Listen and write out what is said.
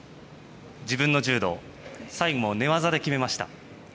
自分の柔道最後も寝技で決めました。